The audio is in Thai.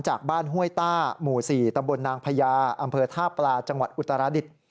จากบ้านห้วยต้าหมู่๔ตำบลนางพญาอำเภอท่าปลาจังหวัดอุตราดิษฐ์